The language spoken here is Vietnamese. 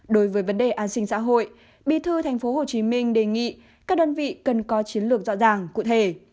đối với vấn đề an sinh xã hội bí thư tp hcm đề nghị các đơn vị cần có chiến lược rõ ràng cụ thể